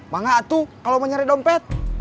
mangga atu kalau mau nyari dompet